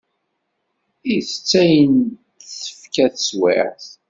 Itett ayen d-tefka teswiɛt.